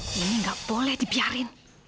ini nggak boleh dibiarin